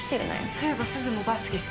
そういえばすずもバスケ好きだよね？